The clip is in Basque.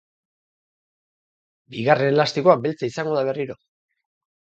Bigarren elastikoa beltza izango da berriro.